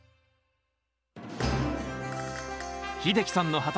秀樹さんの畑